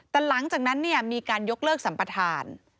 แต่หลังจากนั้นมีการยกเลิกสัมปทาน